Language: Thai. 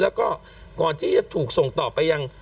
แล้วก็ก่อนที่จะถูกส่งต่อไปยัง